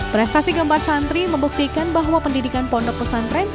prestasi keempat santri membuktikan bahwa pendidikan pondok pesantren